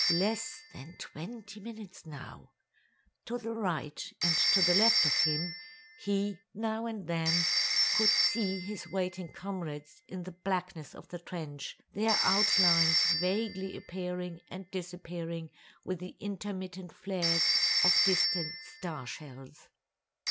"Less than twenty minutes now." To the right and to the left of him, he, now and then, could see his waiting comrades in the blackness of the trench, their outlines vaguely appearing and disappearing with the intermittent flares of distant star shells.